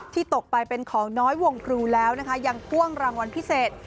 ตกไปเป็นของน้อยวงครูแล้วนะคะยังพ่วงรางวัลพิเศษ